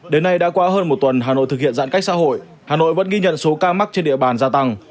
đến nay đã qua hơn một tuần hà nội thực hiện giãn cách xã hội hà nội vẫn ghi nhận số ca mắc trên địa bàn gia tăng